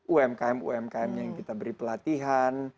umkm umkm yang kita beri pelatihan